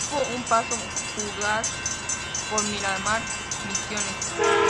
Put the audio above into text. Tuvo un paso fugaz por Miramar Misiones.